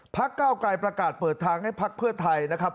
เก้าไกลประกาศเปิดทางให้พักเพื่อไทยนะครับ